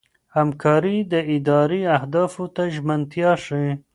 همکاري د ادارې اهدافو ته ژمنتیا ښيي.